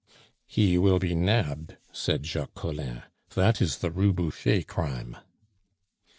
"He will be nabbed," said Jacques Collin. "That is the Rue Boucher crime."